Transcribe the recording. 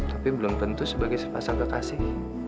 tapi belum tentu sebagai sepasang kekasih